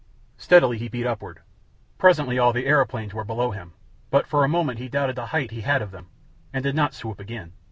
Steadily he beat upward. Presently all the aeroplanes were below him, but for a moment he doubted the height he had of them, and did not swoop again.